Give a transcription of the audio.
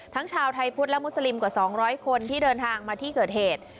ทั้งชาวไทยพุธและมุสลิมกว่าสองร้อยคนที่เดินทางมาที่เกิดเหตุ